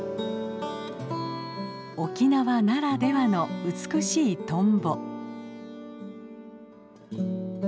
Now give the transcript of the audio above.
沖縄ならではの美しいトンボ。